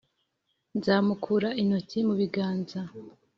'nzamukura intoki mu biganza,